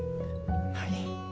はい。